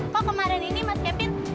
kok kemarin ini mas kevin